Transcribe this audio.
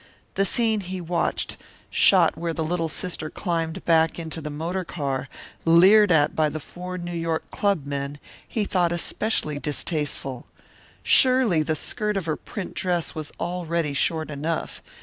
The scene he watched shot where the little sister climbed back into the motor car, leered at by the four New York club men, he thought especially distasteful. Surely the skirt of her print dress was already short enough.